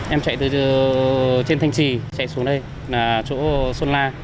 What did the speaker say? em chạy từ trên thanh trì chạy xuống đây là chỗ xuân la